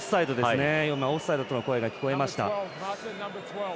オフサイドとの声が聞こえました。